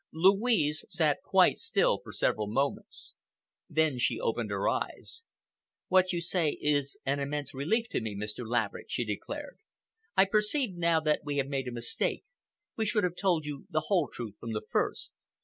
Louise sat quite still for several moments. Then she opened her eyes. "What you say is an immense relief to me, Mr. Laverick," she declared. "I perceive now that we have made a mistake. We should have told you the whole truth from the first.